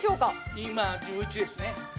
今、１１ですね。